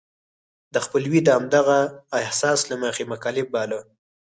د خپلوی د همدغه احساس له مخې مکلف باله.